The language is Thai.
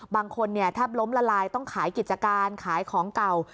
บางคนแทบล้มละลายต้องขายกิจการขายของเก่า